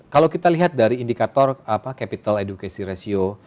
kalau kita lihat dari indikator capital education ratio